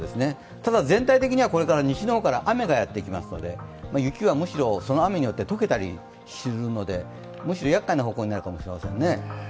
ただ、全体的にはこれから西の方から雨がやってきますので雪はむしろ、その雨によって溶けたりするのでむしろやっかいな方向になるかもしれませんね。